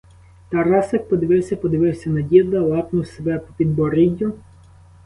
Тарасик подивився, подивився на діда, лапнув себе по підборіддю.